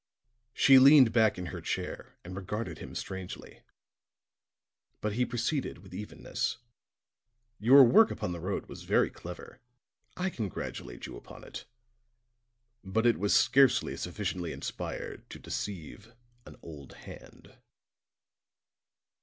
She leaned back in her chair and regarded him strangely, but he proceeded with evenness: "Your work upon the road was very clever; I congratulate you upon it. But it was scarcely sufficiently inspired to deceive an old hand."